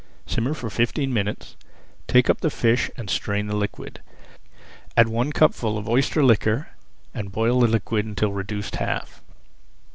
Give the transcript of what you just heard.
Simmer for fifteen minutes, take up the fish, and strain the liquid. Add one cupful of oyster liquor and boil the liquid [Page 238] until reduced half.